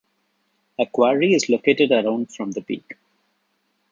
A quarry is located around from the peak.